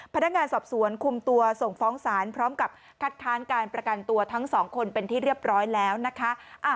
พนักงานสอบสวนคุมตัวส่งฟ้องศาลพร้อมกับคัดค้านการประกันตัวทั้งสองคนเป็นที่เรียบร้อยแล้วนะคะ